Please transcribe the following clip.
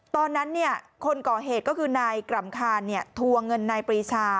ตอนนั้นคนก่อเหตุก็คือนายกรำคาทวงเงินนายปริชา